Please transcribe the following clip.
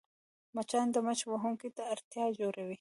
مچان د مچ وهونکي ته اړتیا جوړوي